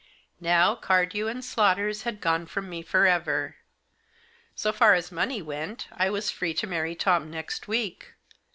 Now, Cardew & Slaughter's had gone from me for ever. So far as money went I was free to marry Tom next week.